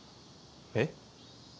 えっ？